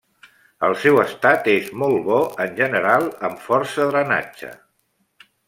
El seu estat és molt bo en general, amb força drenatge.